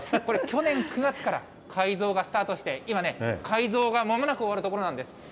これ、去年９月から改造がスタートして、今ね、改造がまもなく終わるところなんです。